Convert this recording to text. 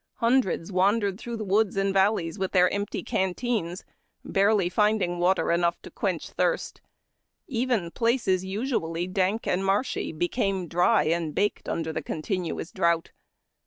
Hundreds wandered throuo h the woods and valleys with their empty canteens, bareh^ finding water enough to quench thirst. Even places usually dank and marshy became dry and baked under the continuous drought.